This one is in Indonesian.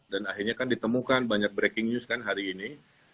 dan akhirnya kan ditemukan banyak breaking news kan hari ini